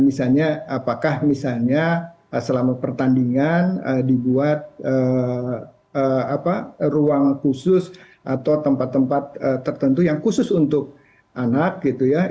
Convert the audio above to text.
misalnya apakah misalnya selama pertandingan dibuat ruang khusus atau tempat tempat tertentu yang khusus untuk anak gitu ya